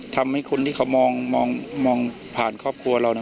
ทำให้คนที่เขามองผ่านครอบครัวเรา